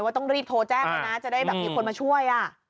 ต้องรีบโทรแจ้งเลยนะจะได้แบบมีคนมาช่วย